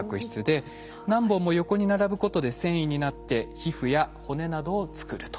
何本も横に並ぶことで繊維になって皮膚や骨などを作ると。